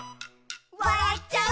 「わらっちゃう」